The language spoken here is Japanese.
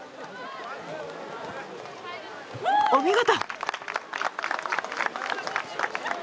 お見事！